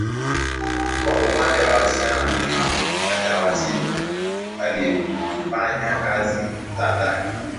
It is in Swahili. kwa upande wa wasichana na mama wajawazito waliufanya kazi za ndani